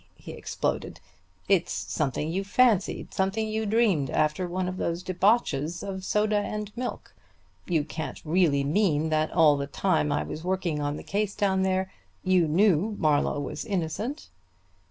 he exploded. "It's something you fancied, something you dreamed after one of those debauches of soda and milk. You can't really mean that all the time I was working on the case down there you knew Marlowe was innocent."